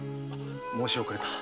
申し遅れた。